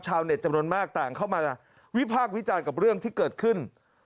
เน็ตจำนวนมากต่างเข้ามาวิพากษ์วิจารณ์กับเรื่องที่เกิดขึ้น